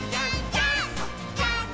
ジャンプ！！」